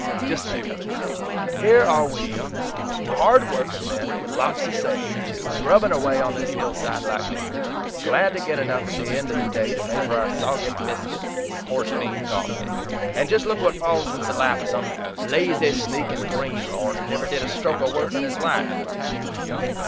Just think of it. Here are WE hard working men with lots of sabe, too grubbin' away on this hillside like niggers, glad to get enough at the end of the day to pay for our soggy biscuits and horse bean coffee, and just look what falls into the lap of some lazy sneakin' greenhorn who never did a stoke of work in his life!